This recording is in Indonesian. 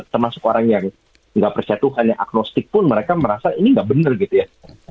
termasuk orang yang nggak percaya tuhan yang agnostik pun mereka merasa ini nggak benar gitu ya